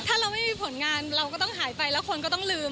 ถ้าเราไม่มีผลงานเราก็ต้องหายไปแล้วคนก็ต้องลืม